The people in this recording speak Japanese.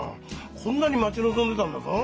こんなに待ち望んでたんだぞ。